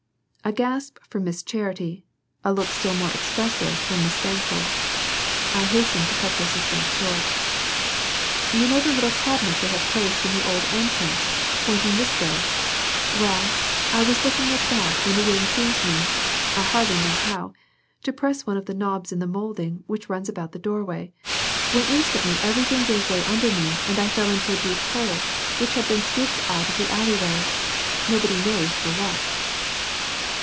A gasp from Miss Charity, a look still more expressive from Miss Thankful. I hastened to cut their suspense short. "You know the little cabinet they have placed in the old entrance pointing this way? Well, I was looking at that when the whim seized me I hardly know how to press one of the knobs in the molding which runs about the doorway, when instantly everything gave way under me and I fell into a deep hole which had been scooped out of the alley way nobody knows for what."